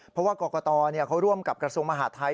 เพราะว่ากรกตเขาร่วมกับกระทรวงมหาดไทย